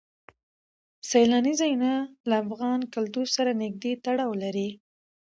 سیلاني ځایونه له افغان کلتور سره نږدې تړاو لري.